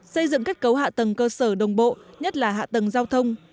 xây dựng kết cấu hạ tầng cơ sở đồng bộ nhất là hạ tầng giao thông